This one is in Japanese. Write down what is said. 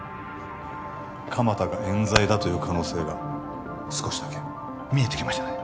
鎌田が冤罪だという可能性が少しだけ見えてきましたね